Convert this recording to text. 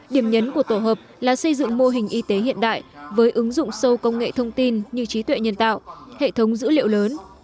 điểm nhấn của tổ hợp là xây dựng mô hình y tế hiện đại với ứng dụng sâu công nghệ thông tin như trí tuệ nhân tạo hệ thống dữ liệu lớn